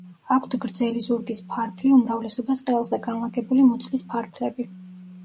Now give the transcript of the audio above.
აქვთ გრძელი ზურგის ფარფლი, უმრავლესობას ყელზე განლაგებული მუცლის ფარფლები.